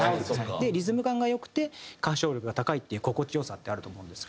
でリズム感が良くて歌唱力が高いっていう心地良さってあると思うんですけど。